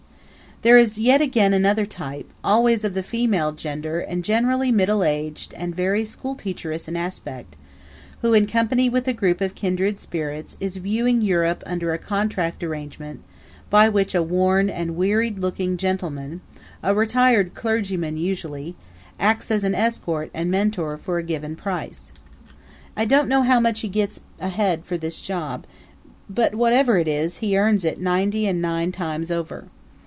There is yet again another type, always of the female gender and generally middle aged and very schoolteacherish in aspect, who, in company with a group of kindred spirits, is viewing Europe under a contract arrangement by which a worn and wearied looking gentleman, a retired clergyman usually, acts as escort and mentor for a given price. I don't know how much he gets a head for this job; but whatever it is, he earns it ninety and nine times over.